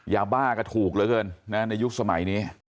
ยาบ้าก็ถูกเหลือเกินนะในยุคสมัยนี้